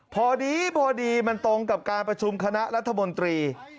พอดีพอดีมันตรงกับการประชุมคณะรัฐมนตรี